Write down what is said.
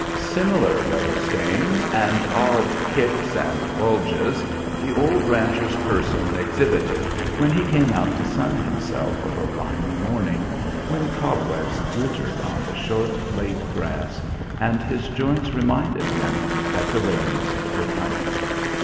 Similar weather stains and odd kicks and bulges the old rancher's person exhibited, when he came out to sun himself of a rimy morning, when cobwebs glittered on the short, late grass, and his joints reminded him that the rains were coming.